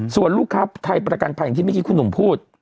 ส่วนลูกค้าไทยประกันภัยอย่างที่เมื่อกี้คุณหนุ่มพูด